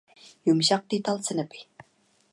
يۇمشاق دېتال سىنىپى